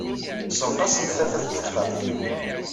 Ssenqasent tafat deg texxamt.